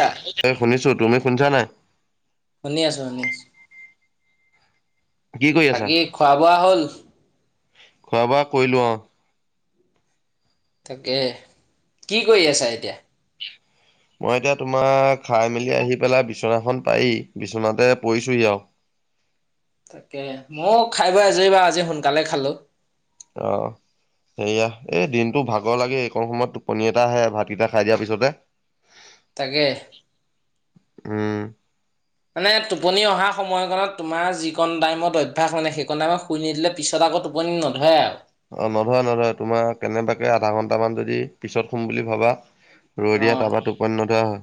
ছা এ শুনিছোঁ, তুমি শুনিছা নাই? শুনি আছোঁ, শুনি আছোঁ। কি কৰি আছা বাকী খোৱা-বোৱা হ'ল? খোৱা বোৱা কৈলো অ। তাকে কি কৰি আছা এতিয়া? [unintelligible] মই এতিয়া তোমাৰ খাই মেলি আহি পেলাই বিছনাখন পায়ি বিচনাতে পৰিছোহি আৰু। তাকে মই খাই বই আজৰি বাৰু আজি সোনকালে খালো। আহঁ। সেয়া এই দিনতটো ভাগৰ লাগে, এইকণ সময়ত টোপনিৰ, এটা আহে ভাতকেইটা খাই দিয়াৰ পিছতে তাকে উম। মানে টোপনি অহা সময়কত তোমাৰচোন টাইমত অভ্যাস ম নে সেইখন টাইমত শুই নিদিলে পিছত আকৌ টোপনি ন ধৰে আৰু অ নধৰে নধৰে তোমাৰ কেনেবাকে আধা ঘন্টামান যদি পিছত সোম বুলি ভাবা ৰই অ দিয়া টাপা টোপনী নধৰা হয়।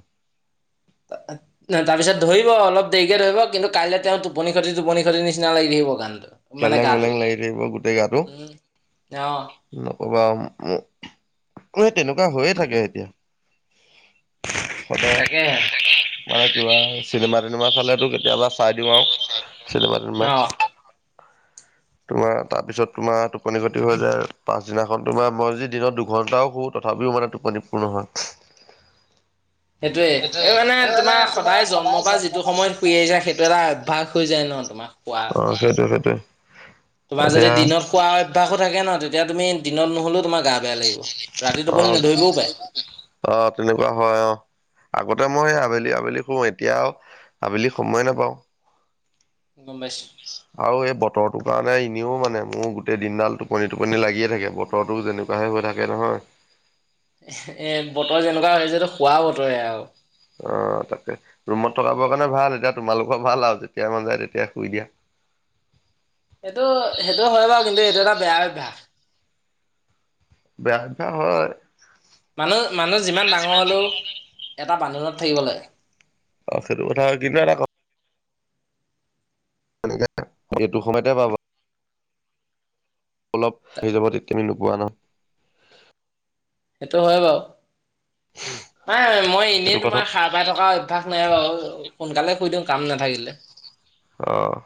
তাৰপিছত ধৰিব অলপ দেৰিকে ধৰিব কিন্তু কাইলৈ তেওঁ টোপনি খতি টোপনি খতি নিচিনা লাগি থাকিব গাটো। মানে কেলেং মেলেং লাগি থাকিব গোটেই গাটো, উম অ নকবা আৰু। অ সেই তেনেকুৱা হৈয়ে থাকে এতিয়া। সদায় তাকে মানে কিবা চিনেমা তিনেমা চালেতো কেতিয়াবা চাই দিওঁ আৰু। চিনেমা তিনেমা অ তোমাৰ তাৰ পিছত তোমাৰ টোপনি ক্ষতি হৈ যায় পাছদিনাখন তোমাৰ মই যদি দিনত দুঘন্টাও শো তথাপিও মানে টোপনি পূৰ নহয়। সেইটোৱেই এই মানে তোমাৰ সদায় জন্মৰ পৰা যিটো সময়ত শুই আহিছা সেইটো এটা অভ্যাস হৈ যায় ন তোমাৰ। খোৱা অ সেইটো সেইটোৱে। তোমাৰ যদি এতিয়া দিনত শুৱা অভ্যাসো থাকে ন তেতিয়া তুমি দিনত নোশুলো তোমাৰ গা বেয়া লাগিব ৰাতি অ টোপনি নধৰিবও পায়। অ তেনেকুৱা হয় অ আগতে মই আবেলি আবেলি শুওঁ এতিয়া আও আবেলি সময় নাপাওঁ। গম পাইছো। আৰু এই বতৰটোৰ কাৰণে এনেও মানে মোৰ গোটেই দিনডাল টোপনি টোপনি লাগিয়ে থাকে বতৰটো যেনেকুৱাহে হৈ থাকে নহয়। [inaudible] এ বতৰ যেনেকুৱা হৈছে শোৱা বতৰ আৰু অ তাকে ৰুমত থকাবৰ কাৰণে ভাল এতিয়া তোমালোকৰ ভাল আৰু যেতিয় মন যায় তেতিয়াাই শুই দিয়া। [inaudible] দাদা বেয়া অভ্যাস, [unintelligible] হয়। মানুহ মানুহ যিমান ডাঙৰ হ'লেও এটা বান্ধোনত থাকিব লাগে। অ সেইটো কথা হয়। [unintelligible] এইটো সময়তে পাবা। অলপ হিচাপত এতিয়া আমি নোপোৱা নহয়। সেইটো হয় বাৰু নাই মই সেইটো এনেই কথা তোমাৰ সাৰ পাই থকা অভ্যাস নাই বাৰু সোনকালে শুই দিওঁ। কাম নাথাকিলে। অ',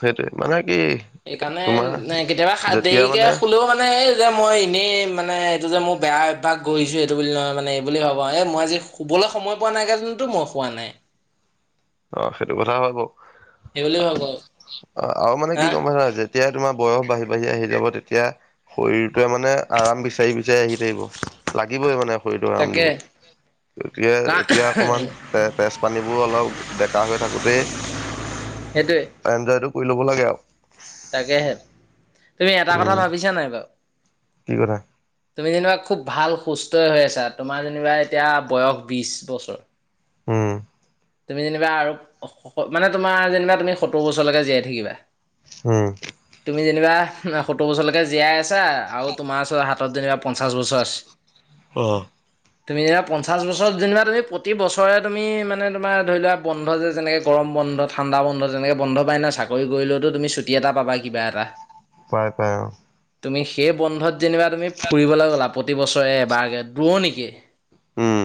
সেইটোৱে, মানে। কি সেইকাৰণে, তোমাৰ এ সা কেতিয়াবা যেতিয়া দেৰিকে মানে শুলেও মানে, এই যে মই। এনেই মানে, এইটো যে মোৰ বেয়া অভ্যাস গৈছে এইটো বুলি নহয় মানে, এই বুলি ভাবো এই মই যে শুবলৈ সময় পোৱা নাই কাৰনেটো, মই শুৱা নাই। অ', সেইটো কথা হয় বাৰু। সেইবুলি ভাবো অ', আৰু মানে কি হা গম পাইছানে নাই, যেতিয়াই তোমাৰ বয়স বাঢ়ি, বাঢ়ি আহি যাব তেতিয়া তিয়া, শৰীৰটোৱে মানে আৰাম বিচাৰি, বিচাৰি আহি থাকিব, লাগিবই মানে। শৰীৰটো আৰাম তাকে দিব। গতিকে, কাৰণ এতিয়া অকমান তে তেজ পানীবোৰ অলপ ডেকা হৈ থাকোতেই, সেইটোৱে এনজয়টো কৰি ল'ব লাগে আৰু। তাকেহে, তুমি এটা কথা উম ভাবিছা নাই বাৰু। কি কথা? তুমি যেনিবা খুব ভাল সুস্থই হৈ আছা, তোমাৰ যেনিবা এতিয়া বয়স বিশ বছৰ। উম। তুমি যেনিবা, আৰু মানে তোমাৰ যেনিবা তুমি সত্তোৰ বছৰলৈকে জীয়াই থাকিবা। হম। তুমি যেনিবা সত্তোৰ বছৰলৈকে জীয়াই আছা, আৰু তোমাৰ ওচৰত হাতত যেনিবা পঞ্চাশ বছৰ আছে। তুমি যেনিবা, পঞ্চাশ বছৰত যেনিবা, তুমি প্ৰতি বছৰে তুমি মানে। তোমাৰ ধৰি লোৱা, বন্ধ যেনেকে গৰম বন্ধ, ঠাণ্ডা বন্ধ তেনেকে বন্ধ পায় নাই, চাকৰি কৰিলেও তুমি ছুটি এটা পা পাবা, কিবা এটা। পাই, পাই অ'। তুমি সেই বন্ধত যেনিবা তুমি ফুৰিবলৈ গ'লা, প্ৰতিবছৰে এবাৰকে দূৰনিকে। উম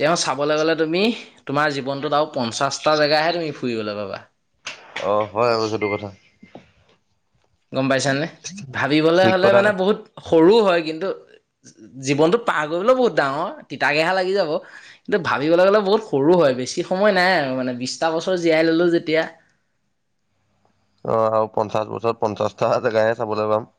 তেওঁ, চাবলৈ গ'লে তুমি তোমাৰ জীৱনটোত, আৰু পঞ্চাশটা জেগাহে তুমি ফুৰিবলৈ পাবা। অহ' হয় আৰু সেইটো কথা। গম পাইছানে, ভাবিবলে ঠিক হ'লে কথা মানে বহুত সৰু হয় কিন্তু জীৱনতো পাৰ কৰিবলৈও বহুত ডাঙৰ, তিতা কেহা লাগি যাব, কিন্তু ভাবিবলৈ গ'লে বহুত সৰু হয়। বেছি সময় নাই আৰু মানে, বিশটা বছৰ জীয়াই ল'লো যেতিয়া। অহ' আৰু পঞ্চাশ বছৰত পঞ্চাশটা জেগাহে চাবলৈ পাম।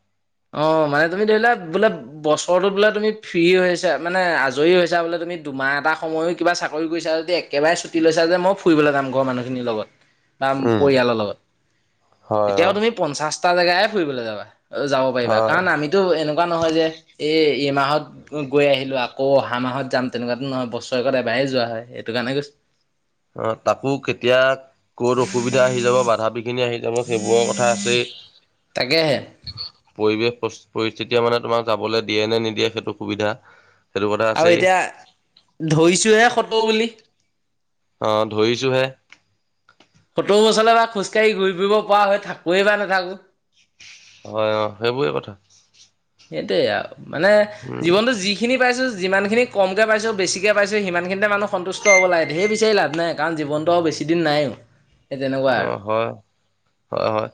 অহ' মানে তুমি ধৰিলোৱা, বোলে বছৰটোত বোলে তুমি ফ্ৰী হৈছা, মানে আজৰি হৈছো বোলে তু তুমি দুমাহ এটা সময়ো কিবা চাকৰি কৰিছা যদি, একেবাৰে ছুটি লৈছা যে, মই ফুৰিবলৈ যাম ঘৰৰ মানুহখিনিৰ লগত। বা উম পৰিয়ালৰ লগত, হয় অ তেতিয়াও তুমি পঞ্চাশটা জেগাহে ফুৰিবলৈ যাবা। যাব পাৰিবা হয় কাৰণ, আমিতো এনেকুৱা নহয় যে, এই এইমাহত গৈ আহিলো আ আকৌ, অহা মাহত যাম তেনেকুৱাতো নহয়, বছৰেকত এবাৰেই যোৱা হয়, এইটো কাৰণে কৈছো। অ তাকো কেতিয়া এতিয়া মোৰ সেইবোৰৰ কথা আছে‌ই। তাকেহে। পৰিৱেশ পৰিস্থিতিয়ে মানে তোমাক যাবলৈ দিয়ে নে নিদিয়ে সেইটো সুবিধা। সেইটো কথা আৰু আছেই এতিয়া ধৰিছো হে, সত্তৰ বুলি। অহ' ধৰিছো হে। সত্তৰ বছলে বা খোজকাঢ়ি ঘূৰি ফুৰিব পৰা হৈ থাকোৱেই বা নাথাকো। হয় অ' সেইবোৰেই কথা। সেইটোৱে আৰু মানে উম জীৱনতো যিখিনি পাইছো যিমানখিনি কমকে পাইছো, বেছিকে পাইছো সিমানখিনতে মানুহ সন্তুষ্ট হ'ব লাগে, ধেৰ বিচাৰি লাভ নাই কাৰণ জীৱনটো বেছি বেছিদিন নাইয়ে। অ হয় হয় হয়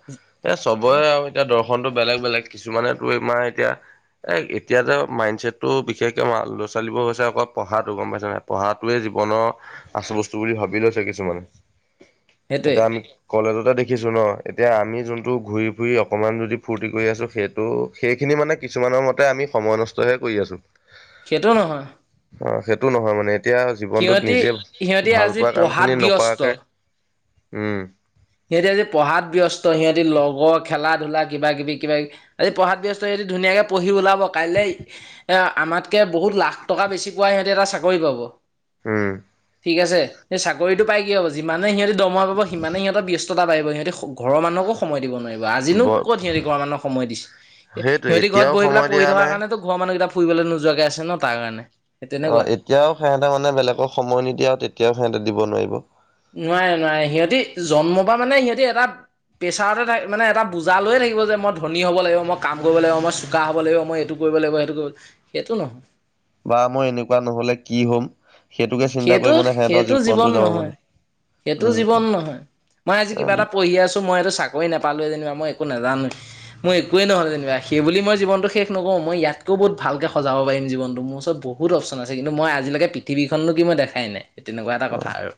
এই চবৰে আৰু এতিয়া দৰ্শনটো বেলেগ বেলেগ, কিছুমানে তোৰ আমাৰ এতিয়া এ এতিয়াত মাইণ্ড ছেটটো বিশেষকে ল'ৰা ছোৱালীৰ হৈছে অকল পঢ়াটো গম পাইছ নাই পঢ়াটোৱে জীৱনৰ আচল বস্তু বুলি ভাবি লৈছে কিছুমানে সেইটোৱে এতিয়া আমি কলেজতে দেখিছোঁ নহয় এতিয়া আমি যোনটো, ঘূৰি-ফুৰি অকণমান যদি ফূৰ্তি কৰি আছোঁ, সেইটো, সেইখিনি মানে কিছুমানৰ মতে আমি সময় নষ্টহে কৰি আছোঁ। সেইটো নহয় অ', সেইটো নহয়, মানে এতিয়া জীৱনটোত সিহঁতি নিজে সিহঁতি ভাল আজি পোৱা পঢ়াত কামখিনি ব্যস্ত নকৰাকে উম। সিহঁতি আজি পঢ়াত ব্যস্ত, সিহঁত যদি লগৰ, খেলা-ধূলা, কিবা-কিবি, কিবা-কিবি, আজি পঢ়াত ব্যস্ত, সিহঁতি ধুনীয়াকৈ পঢ়ি ওলাব কাইলৈ এ, আমাতকৈ বহুত লাখ টকা বেছি পোৱা সিহঁতি এটা চাকৰি পাব। হম। ঠিক আছে, সেই চাকৰিটো পাই কি হ'ব? যিমানেই সিহঁতি দৰমহা পাব, সিমানেই সিহঁতৰ ব্য ব্যস্ততা বাঢ়িব। সিহঁতি ঘৰৰ মানুহকো সময় দিব নোৱাৰিব। আজিনো ব ক'ত সিহঁতি ঘৰৰ মানুহক সময় দিছে? সেইটো সিহঁতি ঘৰত এতিয়াও বহি পেলাই, সময় পঢ়ি দিয়া থকাৰ নাই কাৰণেতো ঘৰ মানুহকেইতা ফুৰিবলৈ নোযোৱাকৈ আছে ন? তাৰ কাৰণে সেই তেনেকুৱা অ', এতিয়াও সিহঁতে মানে, বেলেগক সময় নিদিয়ে আৰু তেতিয়াও সিহঁতে দিব নোৱাৰিব। নোৱাৰে, নোৱাৰে। সিহঁতি জন্ম পা মানে, সিহঁতি এটা প্ৰেছাৰতেই তাই, মানে এটা, বোজা লৈয়ে থাকিব যে মই ধনী হ'ব লাগিব, মই কাম কৰিব লাগিব, মই চুকা হ'ব লাগিব, মই এইটো কৰিব লাগিব, সেইটো কৰিব লাগিব, এইটো নহয় বা মই এনেকুৱা নহ'লে কি হ'ম, সেইটোকে চিন্তা সেইটো কৰি মানে সিহঁতৰ সেইটো জীৱন জীৱনটো যাব নহয় মানে সেইটো উম জীৱন নহয়। মই আজি কিবা উম এটা পঢ়ি আছোঁ, মই এইটো চাকৰি নাপালোঁৱেই যেনিবা, মই একো নাজানোৱেই মই একোৱেই নহ'লোঁ যেনিবা, সেই বুলি মই জীৱনটো শেষ নকৰোঁ। মই ইয়াতকৈ বহুত ভালকৈ সজাব পাৰিম জীৱনটো। মোৰ ওচৰত বহুত অপচন আছে কিন্তু মই আজিলৈকে পৃথিৱীখননো কি মই দেখাই নাই তেনেকুৱা এটা কথা আৰু।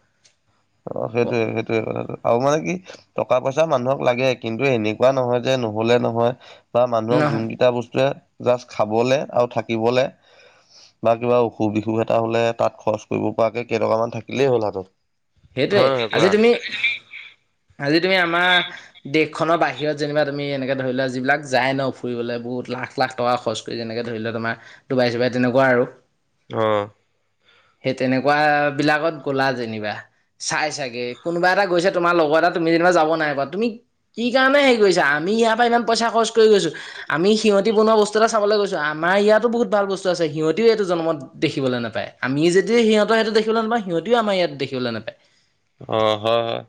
অ সেইটোয়ে সেইটোয়ে কথাটো আৰু মানে কি টকা পইচা পইচা মানুহক লাগে কিন্তু এনেকুৱা নহয় যে নহলে নহয় বা মানুহক নহয় যোনকেইটা বস্তুৱে জাষ্ট খাবলে আৰু থাকিবলে বা কিবা অসুখ বিসুখ এটা হ'লে তাত খৰচ কৰিব পৰাকে কেইটকামান থাকিলেই হ'ল হাতত। সেইটোৱে হয় নহয় আজি কোৱা তুমি আজি তুমি আমাৰ দেশখনৰ বাহিৰত যেনিবা তুমি এনেকে ধৰি লোৱা যিবিলাক যায় ন ফুৰিবলৈ বহুত লাখ লাখ লাখ টকা খৰচ কৰি যেনেকে ধৰি ল তোমাৰ ডুবাই চুবাই তেনেকুৱা আৰু। অহ। সেই তেনেকুৱা বিলাকত গ'লা যেনিবা। চাই চাগে কোনোবা এটা গৈছে তোমাৰ লগৰ এটা তুমি যেনিবা যাব নাই পা, তুমি কি কাৰণে হেৰি কৰিছা আম আমি ইয়াৰ পৰা ইমান পইচা খৰচ কৰি গছো আমি সিহতি বনোৱা বস্তু এটা চাবলৈ গৈছো। আমাৰ ইয়াতো বহুত ভাল বস্তু আছে সিহঁতিও এইটো জন্মত দেখিবলৈ নাপায়, আমিয়ে যদি সিহঁত সেইটো দেখিবলৈ নাপায় আম সিহঁতিও আমাৰ ইয়াত দেখিবলৈ নাপায়। অ হয়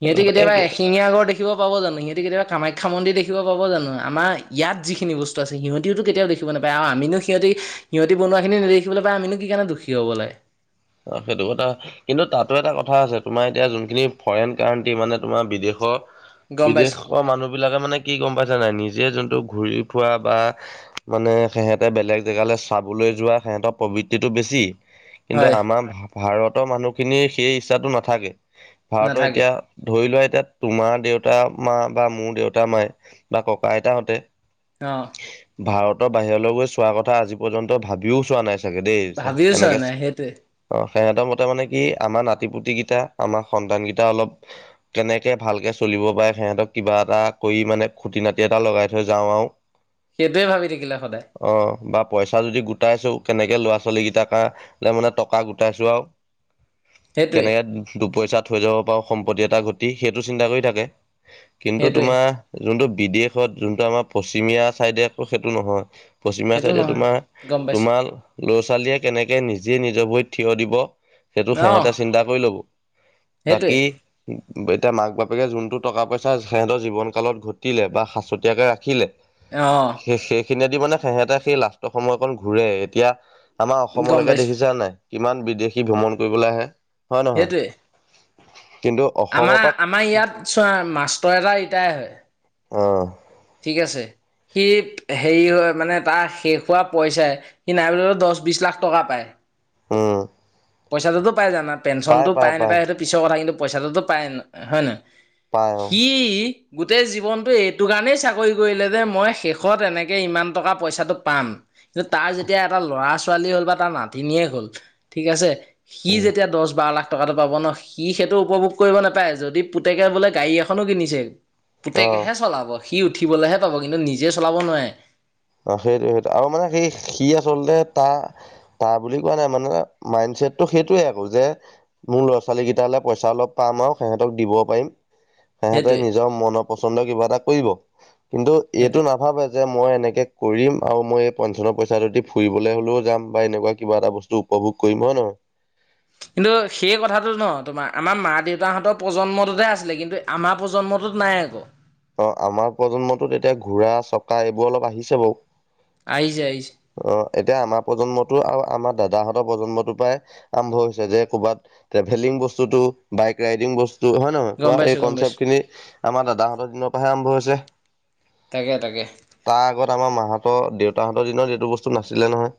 সিহঁতি হয় কেতিয়াবা এই এশিঙীয়া গড় দেখিব পাব জানো? সিহঁতি কেতিয়াবা কামাখ্যা মন্দিৰ দেখিব পাব জানো আমাৰ ইয়াত যিখিনি বস্তু আছে সিহঁতিও ত কেতিও দেখিব নাপায় আৰু আ আমিনো সিহঁতি সিহঁতি বনোৱাখিনি নেদেখিবলৈ পায় আমিনো কি কাৰণে দুখী হব লাগে। অ সেইটো কথা কিন্তু তাতো এটা কথা আছে তোমাৰ এতিয়া যোনখিনি ফৰেইন কাণ্ট্ৰি মানে তোমাৰ বিদেশৰ গম পাইছোঁ বিদেশৰ মানুহবিলাকে মানে কি গম পাইছে নাই নিজে যোনটো ঘূৰি ফুৰা বা মানে সিহঁতে বেলেগ জেগালৈ চাবলৈ যোৱা সিহঁতৰ প্ৰবৃত্তিটো বেছি। কিন্তু হয়। আমাৰ ভাৰতৰ মানুহখিনিৰ সেই ইচ্ছাটো নাথাকে। ভাৰতৰ নাথাকে এতিয়া ধৰি লোৱা এতিয়া তোমাৰ দেউতা মা বা মোৰ দেউতা, মায়, বা ককা, আইতাহঁতে অ'। ভাৰতৰ বাহিৰলৈ গৈ চোৱাৰ কথা, আজি পৰ্যন্ত ভাবিও চোৱা নাই চাগে দেই, ভাবিও চোৱা এনেকে। নাই সেইটোৱে অ', সিহঁতৰ মতে মানে কি, আমাৰ নাতি-পুতিকেইটা, আমাৰ সন্তান কেইটা, অলপ কেনেকে ভালকে চলিব পাৰে, সিহঁতক কিবা এটা কৰি মানে, খুটি নাতি এটা লগাই থৈ যাওঁ আৰু। সেইটোৱে ভাবি থাকিলে সদায় অ', বা পইচা যদি গোটাইছেও কেনেকে, ল'ৰা-ছোৱালী কেইটা কা মানে টকা গোটাইছো আৰু। সেইটোৱে কেনেকে দুপইচা থৈ যাব পাৰো, সম্পত্তি এটা ঘটি, সেইটো চিন্তা কৰি থাকে। কিন্তু, সেইটোৱে তোমাৰ যোনটো বিদেশত, যোনটো আমাৰ পশ্চিমীয়া চাইডে আকৌ সেইটো নহয়। পশ্চিমীয়া সেইটো চাইডে নহয় তোমাৰ, গম পাইছোঁ তোমাৰ ল'ৰা-ছোৱালীয়ে কেনেকে নিজে, নিজৰ ভৰিত থিয় দিব সেইটো অহ সিহেঁতে চিন্তা কৰি ল'ব, সেইটোৱে বাকী এতিয়া, মাক-বাপেকে যোনটো, টকা-পইচা সিহঁতৰ জীৱনকালত ঘটিলে বা সাঁচতীয়াকৈ ৰাখিলে অ'। সেইখিনিয়ে দি মানে, সেহেঁতে সেই লাষ্ট সময়কণ ঘূৰে, এতিয়া আমাৰ গম অসমলৈকে পাইছোঁ দেখিছা নাই। কিমান বিদেশী ভ্ৰমণ কৰিবলৈ আহে, হয় নহয়। সেইটোৱে কিন্তু অসমৰ আমাৰ, পৰা আমাৰ ইয়াত চোৱা, মাষ্টৰ এটা ৰিটায় হয়। আহ ঠিক আছে, সি হেৰি হয়, মানে তাৰ শেষ হোৱা পইচাই, সি নাই বুলি ক'লে, দহ, বিশ লাখ টকা পায়। উম। পইচাটোতো পাই যায় না, পেঞ্চনতোটো পাই নাপায়, সেইটো পিছৰ কথা কিন্তু পইচাটোতো পায়, হয় নাই। পাই অ সি গোটেই জীৱনটো এইটো কাৰণেই চাকৰি কৰিলে যে, মই শেষত এনেকে ইমান টকা-পইচাটো পাম। কিন্তু, তাৰ যেতিয়া এটা ল'ৰা-ছোৱালী হ'ল, বা তাৰ নাতিনীয়ে হ'ল, ঠিক আছে। সি উম যেতিয়া দহ বাৰ লাখ টকাটো পাব ন সি সেইটো উপভোগ কৰিব নাপায় যদি পুতেকে বোলে গাড়ী এখনো কিনিছে অ পুতেকেহে চলাব সি উঠিবলৈহে পাব কিন্তু নিজে চলাব নোৱাৰে অ সেইটো সেইটো আৰু মানে সেই সি আচলতে তা তা বুলি কোৱা নাই মানে মাইন ছেদটো সেইটোৱে আকৌ যে মোৰ ল'ৰা ছোৱালী কেইটালে পইচা অলপ পাম আও সিহঁতক দিব পাৰিম সিহঁতে সেইটোৱে নিজৰ মনৰ পচন্দ কিবা এটা কৰিব কিন্তু এইটো সেইটোৱে নাভাবে যে মই এনেকে কৰিম আও মই এই পেঞ্চনৰ পইচাটোদি ফুৰিবলে হলেও যাম বা এনেকুৱা কিবা এটা বস্তু উপভোগ কৰিম হয় ন নহয় [inaudible] কিন্তু সেই কথাটো ন তোমাৰ আমাৰ মা দেউতাহতৰ প্ৰজন্মটোহে আছিলে কিন্তু আমাৰ প্ৰজন্ম মটোত নাই আক অ আমাৰ প্ৰজন্মটোত এতিয়া ঘোঁৰা চকা এইবোৰ অলপ আহিছে বাও আহিছে আহিছ এতিয়া আমাৰ প্ৰজন্মটো আও আমাৰ দাদাহঁতৰ প্ৰজন্মটো পাই আৰম্ভ হৈছে যে ক'ৰবাত ট্ৰেভেলিং বস্তুটো বাইক ৰাইডিং বস্ ত হয় নহয় গম কোৱা পাইছো এই গম পাইছো কনচেপ্ট খিনি আমাৰ দাদাহঁতৰ দিনৰ পৰাহে আৰম্ভ হৈছে তাকে তাকে তাৰ আগত আমাৰ মাহতৰ দেউতাহতৰ দিনত এইটো বস্তু নাছিলে নহয়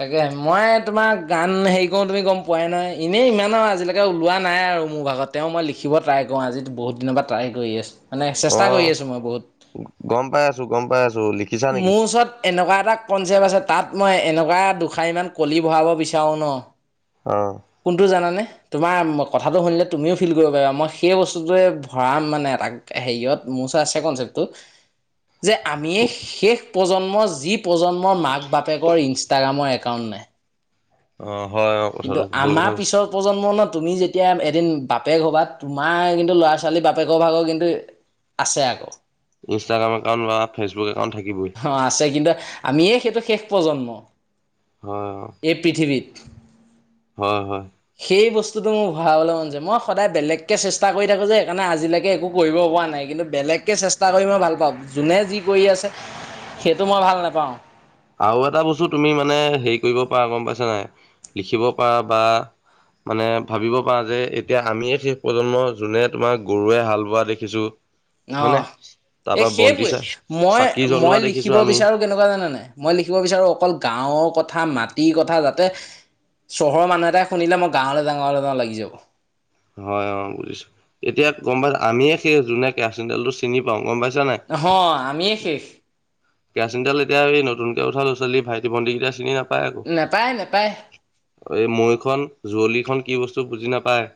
তাকে মই তোমাৰ গান হেৰি কৰো তুমি গম পোৱাই নাই এনেই ইমান আও আজিলৈকে ওলোৱা নাই আৰু মোৰ ভাগত তেওঁ মই লিখিব ট্ৰাই কৰোঁ আজি বহুত দিনৰ পৰা ট্ৰাই কৰি আছ মানে চেষ্টা অ' কৰি আছো মই বহুত গম পাই আছো গম পাই আছো লিখিছা নেকি মোৰ ওচৰত এনেকুৱা এটা কনচেপ্ট আছে তাত মই এনেক কা দুশাৰীমান কলি ভৰাব বিচাৰোঁ ন অ কোনটো জানানে তোমাৰ কথাটো শুনিলে তুমিও ফিল কৰিব পাৰিবা মই সেই বস্তুটোৱে ভৰাম মানে এটা হেৰিয়ত মোৰ মোৰ ওচৰত আছে কনচেপ্টটো। যে আমিয়ে শেষ প্ৰজন্মৰ যি প্ৰজন্মৰ মাক বাপেকৰ ইনষ্টাগ্ৰামৰ এক একাউন নাই। অ। হয় অ কিন্তু, কথাটো ভাল কথা আমাৰ কৈছে পিছৰ প্ৰজন্মত তুমি, যেতিয়া এদিন বাপেক হবা তোমাৰ কিন্তু ল'ৰা ছোৱালী বাপেকৰ ভাগৰ কিন্তু আছে আকৌ। ইনষ্টাগ্ৰমত একাউণ্ট বা ফেচবুক একাউণ্ট থাকিবই হাহ আছে কিন্তু আমিয়ে সেইটো শেষ প্ৰজন্ম হয় অ এই পৃথিৱীত। হয় হয়। সেই বস্তুটো মোৰ ভৰাবলৈ মন যায়, মই সদায় বেলেগকে চেষ্টা কৰি থাকো যে, সেইকাৰণে আজিলৈকে একো কৰিব পোৱা নাই, কিন্তু বেলেগকে চেষ্টা কৰি মই ভাল পাওঁ, যোনে যি কৰি আছে সেইটো মই ভাল নাপাওঁ। আৰু এটা বস্তু তুমি মানে, হেৰি কৰিব পাৰ গম পাইছা নাই, লিখিব পাৰা বা মানে ভাবিব পাৰা যে, এতিয়া আমিয়ে শেষ প্ৰজন্ম যোনে তোমাৰ গৰুৱে হাল বোৱা দেখিছো। অ হয়নে 'এই তাৰপা বন্তি সেইবোৰে, চা মই চাকি মই জ্বলোৱা দেখিছো লিখিব আমি বিচাৰো কেনেকুৱা জানে নাই মই লিখিব বিচাৰোঁ, অকল গাঁৱৰ কথা, মাটিৰ কথা যাতে চহৰৰ মানুহ এটাই শুনিলে, মই গাঁৱলৈ যাঁও যাওঁ লাগি যাব। হয় হয় বুজিছোঁ। এতিয়া গম পাও, আমিয়ে সেই বিলাক কেৰাচিন তেল চিনি পাওঁ গম পাইছ, নহয় আমিয়ে শেষ [unintelligible] কেৰাচিন তেল এতিয়া এই নতুন লৰা ছোৱালী ভাইটি ভণ্টিকিতা চিনি নাপ নাপাই আকৌ। নেপায় নেপায় এই মৈখন যুুৱলিখন কি বস্তু বুজি নাপায়।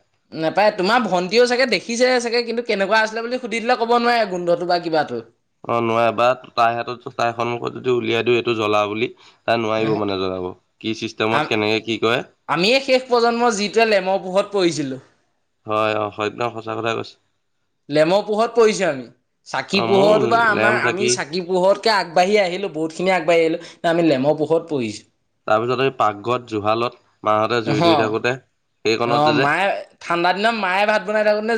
নাপায়, তোমাৰ ভণ্টিও চাগে দেখিছেহে চাগে, কিন্তু কেনেকুৱা আছিলে বুলি সুধি দিলে, ক'ব নোৱাৰে, গোন্ধটো বা কিবাটো। অ', নোৱাৰে ‌বা তাই হাতত, তাই সন্মুখত যদি উলিয়াই দিওঁ, এইটো জ্বলাও বুলি তাই নোৱাৰিব মানে‌‌ জ্বলাব, কি আম চিষ্টেমত, কেনেকে কি কৰে। আমিয়ে শেষ প্ৰজন্ম, যিটোৱে লেমৰ পোহৰত পঢ়িছিলোঁ। হয়, অ', একদম সঁচা কথাই কৈছে। লেমৰ পোহৰত পঢ়িছোঁ আমি। চাকি অ মোৰ পোহৰতোটো, লেম আমাৰ, আমি চাকি পোহৰতকে আগবাঢ়ি আহিলো বহুত। খিনি আগবাঢ়ি আহিলোঁ, আমি লেমৰ পোহৰত পঢ়িছোঁ। তাৰপিছতে এই পাকঘৰত, জুহালত মাহতে জুই অ ধৰি থাকোঁতে অ', মায়ে, ঠাণ্ডা দিনত মায়ে, ভাত বনাই থাকোঁতে